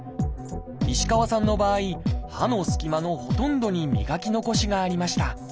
石川さんの場合歯のすき間のほとんどに磨き残しがありました。